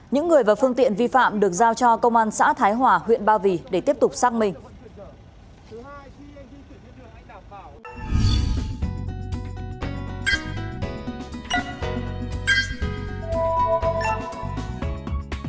những người và phương tiện vi phạm được giao cho công an xã thái hòa huyện ba vì để tiếp tục xác minh